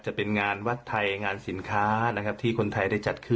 จะเป็นงานวัดไทยที่นายเป้นงานสินค้า